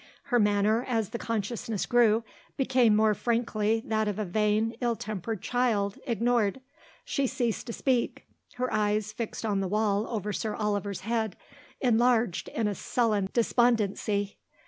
Her manner, as the consciousness grew, became more frankly that of the vain, ill tempered child, ignored. She ceased to speak; her eyes, fixed on the wall over Sir Oliver's head, enlarged in a sullen despondency.